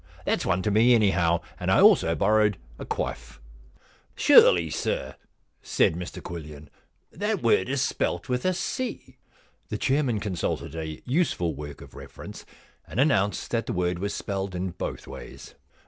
That's one to me, anyhow. And I also borrowed a quoif.' * Surely, sir,' said Mr Quillian, * that word is spelled with a C ?' 207 The Problem Club The chairman consulted a useful work of reference, and announced that the word was spelled in both ways.